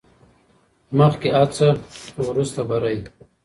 مخکي هڅه وروسته بري